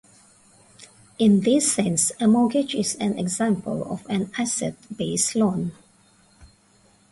In this sense, a mortgage is an example of an asset-based loan.